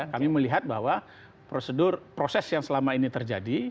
kami melihat bahwa prosedur proses yang selama ini terjadi